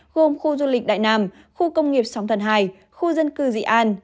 gồm khu du lịch đại nam khu công nghiệp sống thần hài khu dân cư dị an